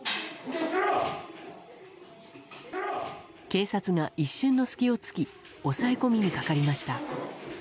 警察が一瞬の隙を突き押さえ込みにかかりました。